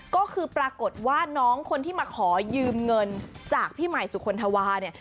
ก็คือปรากฏว่าน้องคนที่มาขอยืมเงินจากพี่ใหม่สุคลธวาเนี่ย